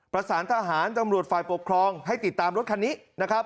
ประสานทหารตำรวจฝ่ายปกครองให้ติดตามรถคันนี้นะครับ